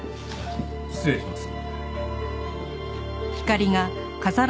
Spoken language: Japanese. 失礼します。